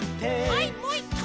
はいもう１かい！